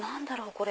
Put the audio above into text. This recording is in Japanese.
これ。